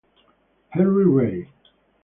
Henri Rey